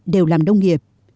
đều làm đông nghiệp